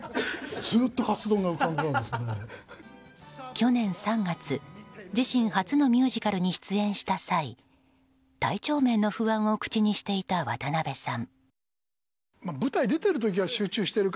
去年３月、自身初のミュージカルに出演した際体調面の不安を口にしていた渡辺さん。